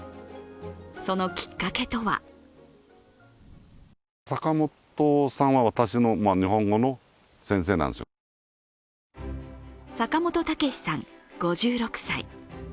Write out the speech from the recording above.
そのきっかけとは坂本毅さん、５６歳。